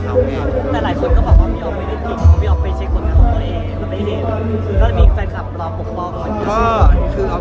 ก็มีแฟนคอปปอกก้อน